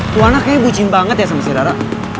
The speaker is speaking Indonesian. tuhannya kayaknya bucin banget ya sama si rara